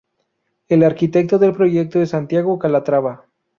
El arquitecto del proyecto es Santiago Calatrava.